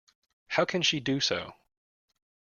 How can she do so?